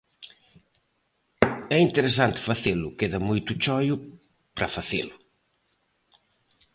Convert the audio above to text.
É interesante facelo, queda moito choio para facelo.